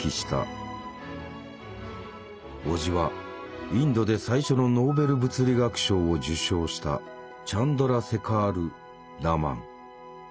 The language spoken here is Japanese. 叔父はインドで最初のノーベル物理学賞を受賞したチャンドラセカール・ラマン。